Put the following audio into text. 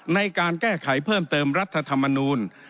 ในการแก้ไขเพิ่มเติมรัฐธรรมนูล